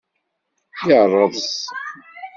Yeṛṛeẓ.